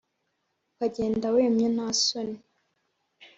ukagenda wemye nta soni